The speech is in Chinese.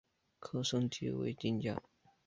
可升级成金将。